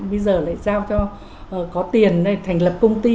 bây giờ lại giao cho có tiền thành lập công ty